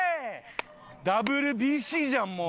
ＷＢＣじゃんもう。